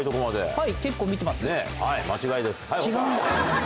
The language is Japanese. はい。